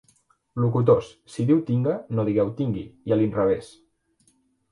Locutors, si diu 'tinga' no digueu 'tingui', i a l'inrevès.